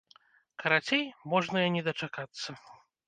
Карацей, можна і не дачакацца.